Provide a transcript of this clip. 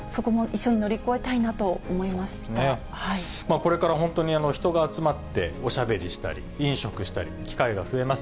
これから本当に人が集まって、おしゃべりしたり、飲食したり、機会が増えます。